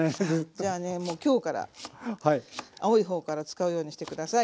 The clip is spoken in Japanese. じゃあねもう今日から青い方から使うようにして下さい。